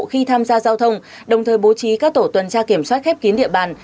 khi tham gia giao thông đồng thời bố trí các tổ tuần tra kiểm soát khép kín địa bàn